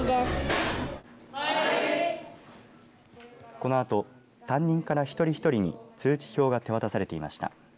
このあと担任から一人一人に通知表が手渡されていました。